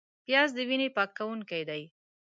پیاز د وینې پاکوونکی دی